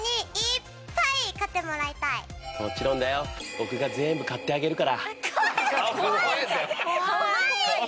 僕が買ってあげるから。